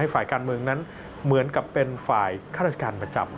ฝ่ายการเมืองนั้นเหมือนกับเป็นฝ่ายข้าราชการประจำ